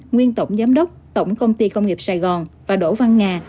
nguyên tổng giám đốc tổng công ty công nghiệp sài gòn và đỗ văn nga